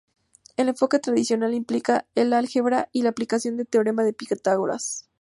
El enfoque tradicional implica el álgebra y la aplicación del teorema de Pitágoras.